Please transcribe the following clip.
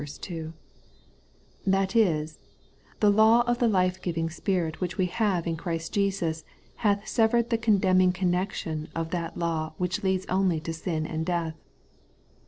2) ; that is, The law of the life giving spirit which we have in Christ Jesus hath severed the condemning connection of that law which leads only to sin and death.